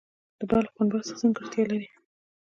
د بلخ پنبه څه ځانګړتیا لري؟